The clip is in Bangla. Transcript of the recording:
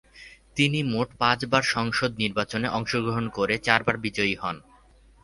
তিনি মোট পাঁচবার সংসদ নির্বাচনে অংশগ্রহণ করে চার বার বিজয়ী হন।